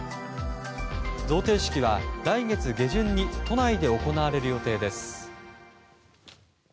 贈呈式は来月下旬に都内で行われる予定です。